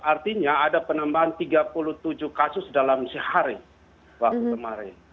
artinya ada penambahan tiga puluh tujuh kasus dalam sehari waktu kemarin